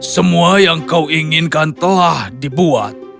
semua yang kau inginkan telah dibuat